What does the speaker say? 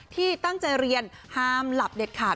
ที่ตั้งใจเรียนห้ามหลับเด็ดขาด